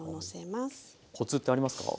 コツってありますか？